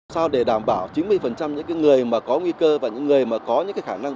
sao để đảm bảo chín mươi những người mà có nguy cơ và những người mà có những cái khả năng